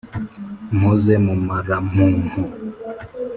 mpoze mumarampumpu